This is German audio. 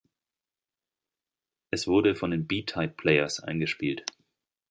Es wurde von den B-Tight-Playaz eingespielt.